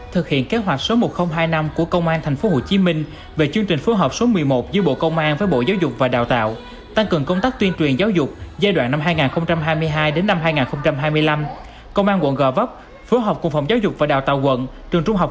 thực hiện kế hoạch số một nghìn hai mươi năm của công an tp hcm về chương trình phối hợp số một mươi một giữa bộ công an với bộ giáo dục và đào tạo tăng cường công tác tuyên truyền giáo dục giai đoạn năm hai nghìn hai mươi hai đến năm hai nghìn hai mươi năm